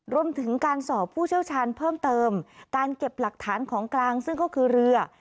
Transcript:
รวมถึงการสอบผู้เชี่ยวชาญเพิ่มเติมการเก็บหลักฐานของกลางซึ่งก็คือเรือ